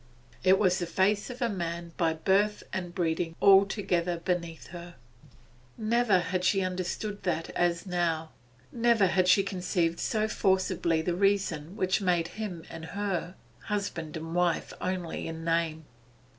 It was the face of a man by birth and breeding altogether beneath her. Never had she understood that as now; never had she conceived so forcibly the reason which made him and her husband and wife only in name.